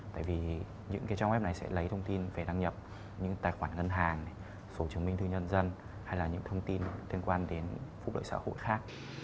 tại vì những cái trang web này sẽ lấy thông tin về đăng nhập những tài khoản ngân hàng số chứng minh thư nhân dân hay là những thông tin liên quan đến phục lợi xã hội khác